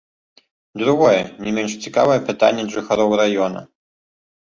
Другое, не менш цікавае пытанне ад жыхароў раёна.